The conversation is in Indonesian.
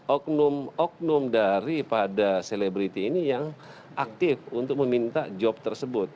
oknum oknum daripada selebriti ini yang aktif untuk meminta job tersebut